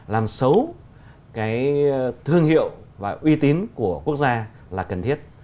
làm xấu cái thương hiệu và uy tín của quốc gia là cần thiết